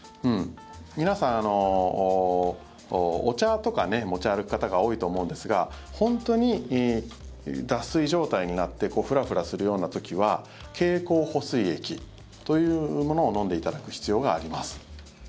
皆さん、お茶とか持ち歩く方が多いと思うんですが本当に脱水状態になってフラフラするような時は経口補水液というものを飲んでいただく必要があります。